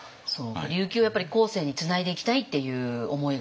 琉球をやっぱり後世につないでいきたいっていう思いが。